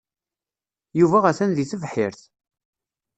Yuba atan deg tebḥirt.